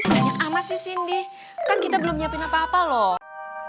banyak amat sih cindy kan kita belum nyiapin apa apa loh